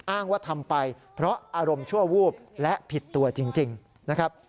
อ้างว่าทำไปเพราะอารมณ์ชั่ววูบและผิดตัวจริงนะครับ